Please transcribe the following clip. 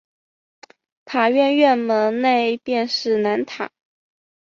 塔院院门内便是南塔。